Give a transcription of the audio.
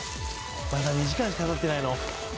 まだ２時間しかたってないの？